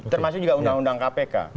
termasuk juga undang undang kpk